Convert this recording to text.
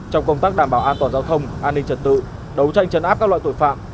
trong công tác đảm bảo an toàn giao thông an ninh trật tự đấu tranh chấn áp các loại tội phạm